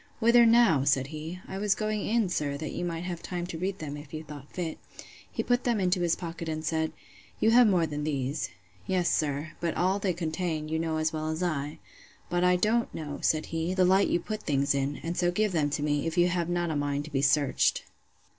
Whither now? said he. I was going in, sir, that you might have time to read them, if you thought fit. He put them into his pocket, and said, You have more than these. Yes, sir: but all they contain, you know as well as I.—But I don't know, said he, the light you put things in; and so give them me, if you have not a mind to be searched.